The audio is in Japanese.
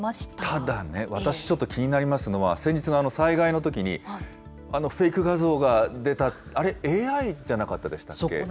ただね、私ちょっと、気になりますのは、先日、災害のときにフェイク画像が出た、あれ、ＡＩじゃなかったでしたっけ。